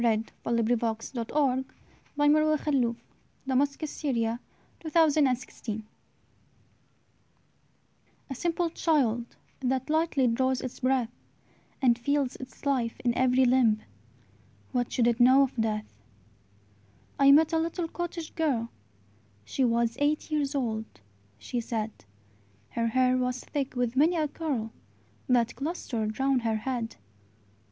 S T . U V . W X . Y Z We Are Seven [Wordsworth's own NOTES for this poem] A simple child, That lightly draws its breath, And feels its life in every limb, What should it know of death? I met a little cottage girl: She was eight years old, she said; Her hair was thick with many a curl That clustered round her head.